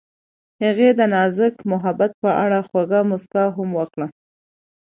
هغې د نازک محبت په اړه خوږه موسکا هم وکړه.